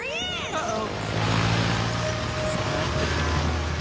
あっ！